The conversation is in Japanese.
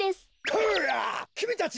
こらっきみたち！